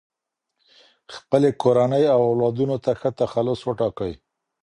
خپلي کورنۍ او اولادونو ته ښه تخلص وټاکئ.